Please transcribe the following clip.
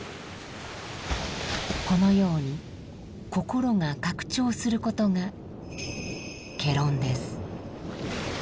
このように心が拡張することが戯論です。